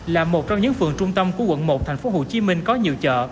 là một trong những phường trung tâm của quận một tp hcm có nhiều chợ